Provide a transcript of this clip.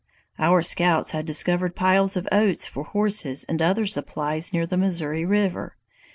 Our scouts had discovered piles of oats for horses and other supplies near the Missouri River.